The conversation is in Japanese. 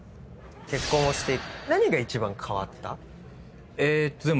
結婚をして何が一番変わった？